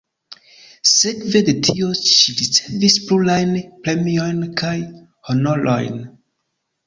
Sekve de tio ŝi ricevis plurajn premiojn kaj honorojn.